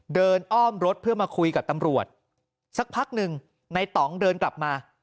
อ้อมรถเพื่อมาคุยกับตำรวจสักพักหนึ่งในต่องเดินกลับมา